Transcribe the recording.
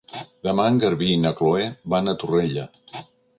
Demà en Garbí i na Chloé van a Torrella.